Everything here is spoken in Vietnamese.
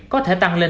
có thể bị bắt đầu